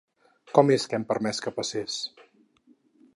Com és que hem permès que passés?